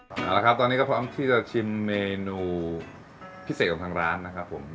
เอาละครับตอนนี้ก็พร้อมที่จะชิมเมนูพิเศษของทางร้านนะครับผม